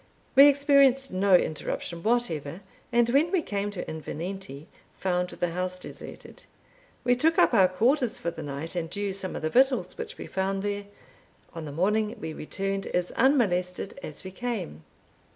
We experienced no interruption whatever, and when we came to Invernenty, found the house deserted. We took up our quarters for the night, and used some of the victuals which we found there. On the morning we returned as unmolested as we came.